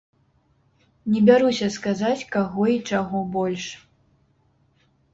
Не бяруся сказаць, каго й чаго больш.